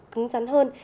cứng rắn hơn